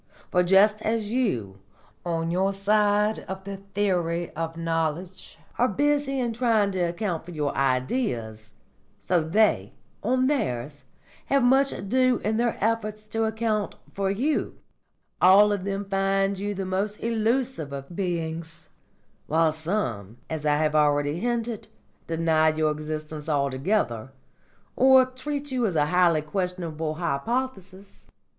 For just as you, on your side of the theory of knowledge, are busy in trying to account for your Ideas, so they, on theirs, have much ado in their efforts to account for you; all of them find you the most illusive of beings, while some, as I have already hinted, deny your existence altogether, or treat you as a highly questionable hypothesis.